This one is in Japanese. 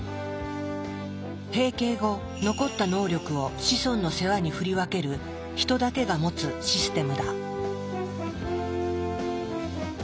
閉経後残った能力を子孫の世話に振り分ける人だけが持つシステムだ。